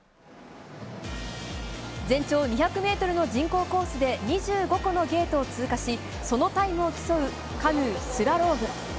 全長２００メートルの人工コースで、２５個のゲートを通過し、そのタイムを競うカヌースラローム。